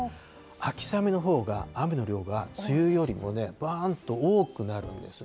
秋雨のほうが雨の量が梅雨よりもばーんと多くなるんです。